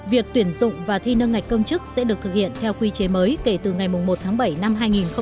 việc tuyển dụng và thi nâng ngạch công chức sẽ được thực hiện theo quy chế mới kể từ ngày một tháng bảy năm hai nghìn hai mươi